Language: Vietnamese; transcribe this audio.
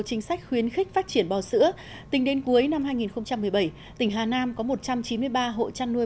chính sách khuyến khích phát triển bò sữa tính đến cuối năm hai nghìn một mươi bảy tỉnh hà nam có một trăm chín mươi ba hộ chăn nuôi